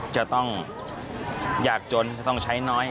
จะต้องยากจนจะต้องใช้น้อย